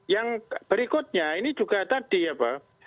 yang berikutnya ini juga tadi ya pak